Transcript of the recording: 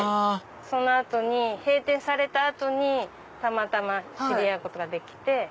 あら閉店された後にたまたま知り合うことができて。